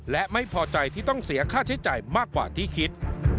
และไม่พอใจที่ต้องเสียค่าใช้จ่ายมากกว่าที่คิด